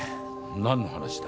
何の話だ？